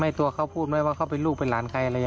ไม่ตัวเค้าพูดไหมว่าเค้าเป็นลูกหลานใคร